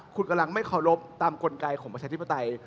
คุณกำลังไม่เคารพตามกลไกของประชาธิปไตย